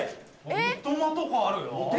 三笘とかあるよ。